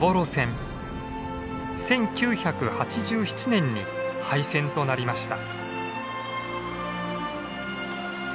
１９８７年に廃線となりました。